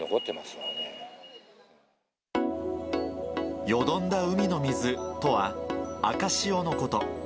よどんだ海の水とは、赤潮のこと。